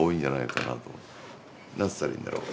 何つったらいいんだろう